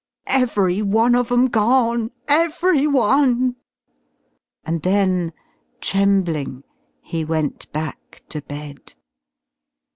"Every one of 'em gone every one!" And then, trembling, he went back to bed.